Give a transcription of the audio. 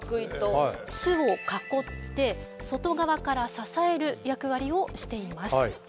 巣を囲って外側から支える役割をしています。